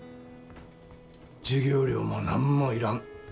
授業料も何も要らん。